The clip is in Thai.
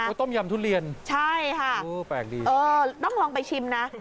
โปรด้วยต้มยำทุเรียนอู้วแปลกดีใช่ค่ะเออต้องลองไปชิมนะ